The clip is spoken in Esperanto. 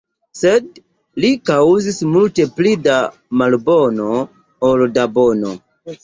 Sed li kaŭzis multe pli da malbono ol da bono.